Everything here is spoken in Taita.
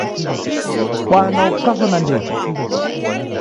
Bwana ukaso nandighi!